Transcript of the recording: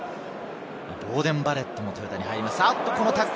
ボーデン・バレットもトヨタに入ります。